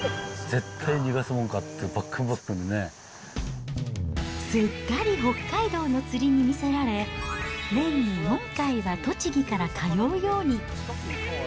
絶対逃がすもんかって、すっかり北海道の釣りに魅せられ、年に４回は栃木から通うように。